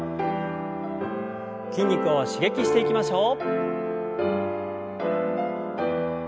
筋肉を刺激していきましょう。